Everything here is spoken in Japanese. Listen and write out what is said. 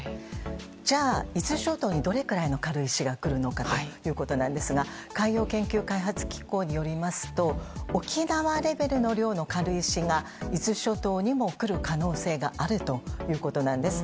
じゃあ、伊豆諸島にどれくらいの軽石が来るのかということなんですが、海洋研究開発機構によりますと、沖縄レベルの量の軽石が、伊豆諸島にも来る可能性があるということなんです。